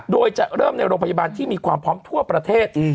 โดยจะเริ่มในโรงพยาบาลที่มีความพร้อมทั่วประเทศ